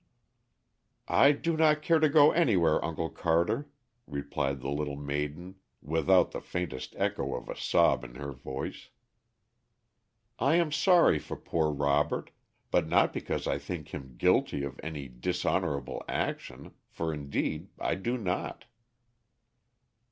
"I do not care to go anywhere, Uncle Carter," replied the little maiden, without the faintest echo of a sob in her voice. "I am sorry for poor Robert, but not because I think him guilty of any dishonorable action, for indeed I do not."